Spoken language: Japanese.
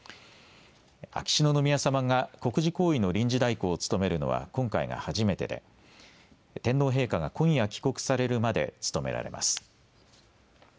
秋篠宮さまが国事行為の臨時代行を務めるのは今回が初めてで天皇陛下が今夜、帰国されるまで務められます。